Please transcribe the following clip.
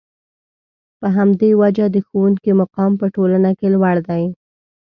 په همدې وجه د ښوونکي مقام په ټولنه کې لوړ دی.